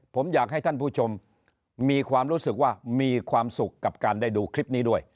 ผมอยากให้ท่านผู้ชมมีความรู้สึกว่ามีความสุขกับการได้ดูคลิปนี้ด้วย